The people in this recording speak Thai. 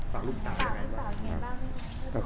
ฝากลูกสาวอย่างไรบ้าง